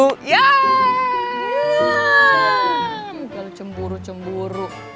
kalau cemburu cemburu